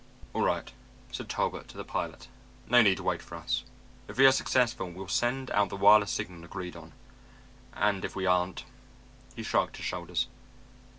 "All right," said Talbot to the pilot. "No need to wait for us. If we are successful, we'll send out the wireless signal agreed on, and if we aren't...." He shrugged his shoulders.